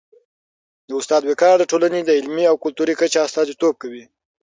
د استاد وقار د ټولني د علمي او کلتوري کچي استازیتوب کوي.